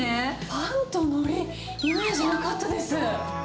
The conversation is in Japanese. パンとのり、イメージがなかったです。